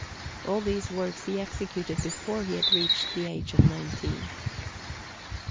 All these works he executed before he had reached the age of nineteen.